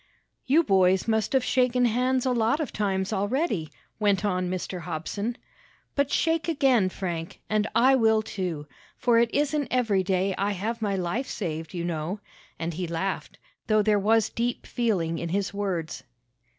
"You boys must have shaken hands a lot of times already," went on Mr. Hobson, "but shake again, Frank, and I will too, for it isn't every day I have my life saved, you know," and he laughed, though there was deep feeling in his words.